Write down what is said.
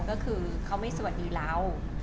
ก็คือเขาไม่สวัสดีเรา